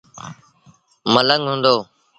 ملنگ هئندو۔